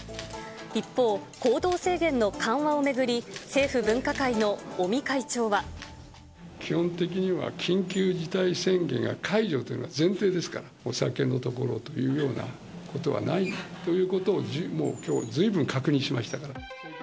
一方、行動制限の緩和を巡り、基本的には、緊急事態宣言が解除というのが前提ですから、お酒のところというようなことはないということを、もうきょうずいぶん確認しましたから。